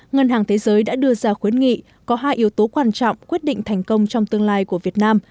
ngân hàng thế giới đã đưa ra khuyến nghị có hai yếu tố quan trọng quyết định thành công trong tương lai của việt nam